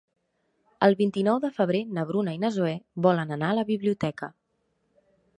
El vint-i-nou de febrer na Bruna i na Zoè volen anar a la biblioteca.